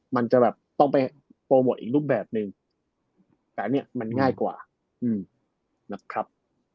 มันจะแบบต้องไปโปรโมทอีกรูปแบบหนึ่งแต่อันนี้มันง่ายกว่านะครับ